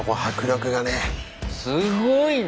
すごいな！